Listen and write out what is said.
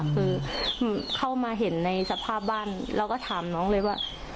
คือเข้ามาเห็นในสภาพบ้านเราก็ถามน้องเลยว่า